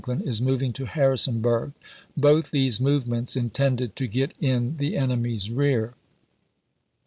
lin, is moving to Harrisonburg; both these movements intended to get in the enemy's rear.